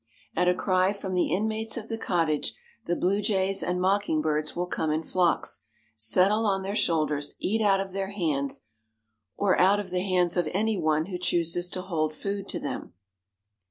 At a cry from the inmates of the cottage, the blue jays and mocking birds will come in flocks, settle on their shoulders, eat out of their hands, or out of the hands of any one who chooses to hold food to them.